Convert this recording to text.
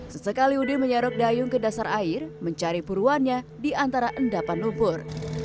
sesekali udin menyerok dayung ke dasar air mencari purwannya diantara endapan nubur